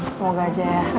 semoga aja ya